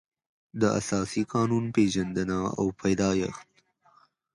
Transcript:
د اساسي قانون پېژندنه او پیدایښت